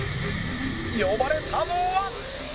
呼ばれたのは